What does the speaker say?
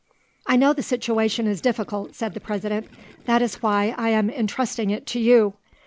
"I know the situation is difficult," said the President; "that is why I am entrusting it to you!